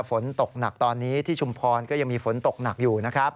ฝนตกหนักตอนนี้ที่ชุมพรก็ยังมีฝนตกหนักอยู่นะครับ